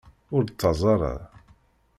Ur d-ttaẓ ara.